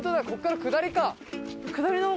ここから下りか。